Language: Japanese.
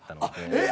えっ？